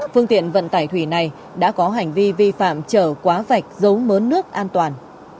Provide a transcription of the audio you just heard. phương tiện vận tải thủy này đã có hành vi vi phạm chở quá vạch giấu mớn nước an toàn